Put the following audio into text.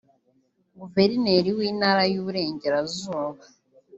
Guverineri w’Intara y’u Burengerazuba